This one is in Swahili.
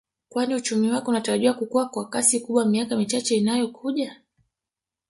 Kwani uchumi wake unatarajiwa kukua kwa kasi kubwa miaka michache inayo kuja